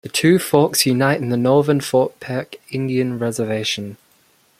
The two forks unite in the northern Fort Peck Indian Reservation.